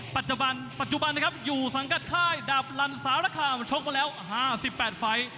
ปัจจุบันนะครับอยู่สังกัดค่ายดาบรันสารค่ามันชกมาแล้ว๕๘ไฟล์